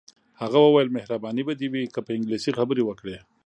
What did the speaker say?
هغه وویل مهرباني به دې وي که په انګلیسي خبرې وکړې.